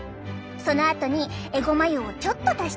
そのあとにえごま油をちょっと足してみてね。